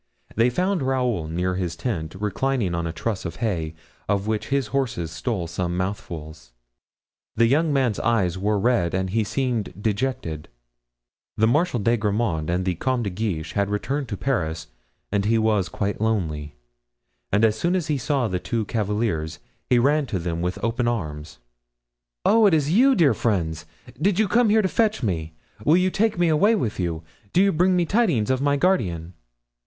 They found Raoul near his tent, reclining on a truss of hay, of which his horse stole some mouthfuls; the young man's eyes were red and he seemed dejected. The Marechal de Grammont and the Comte de Guiche had returned to Paris and he was quite lonely. And as soon as he saw the two cavaliers he ran to them with open arms. "Oh, is it you, dear friends? Did you come here to fetch me? Will you take me away with you? Do you bring me tidings of my guardian?"